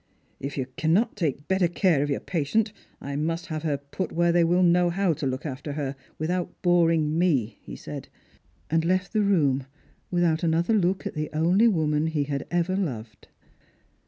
" If you cannot take better care of 3 our patient, I must have her put where they will know how to look after her without boring me," he said ; and left the room without another look at the only woman he had ever loved.